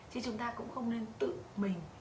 chứ chúng ta cũng không nên tự mình